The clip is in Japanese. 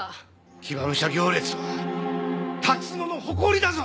騎馬武者行列は龍野の誇りだぞ！